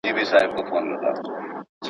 ژبه محبوبيت پيدا کوي.